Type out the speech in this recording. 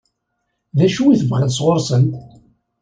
D acu i tebɣiḍ sɣur-sent?